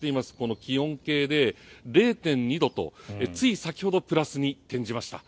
気温計で０．２度とつい先ほどプラスに転じました。